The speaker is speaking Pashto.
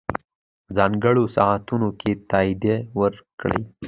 ځانګړو ساعتونو کم تادیه ورکړي.